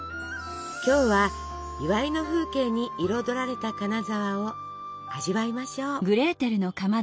今日は祝いの風景に彩られた金沢を味わいましょう。